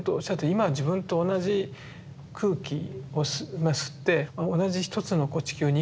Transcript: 今自分と同じ空気を吸って同じ一つの地球に生きてる。